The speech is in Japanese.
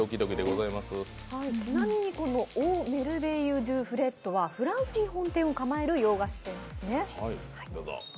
ちなみにオー・メルベイユ・ドゥ・フレッドはフランスに本店を構える洋菓子店です。